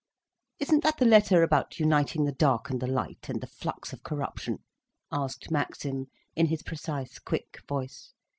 "Isn't that the letter about uniting the dark and the light—and the Flux of Corruption?" asked Maxim, in his precise, quick voice.